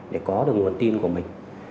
để có được nguồn tin của mình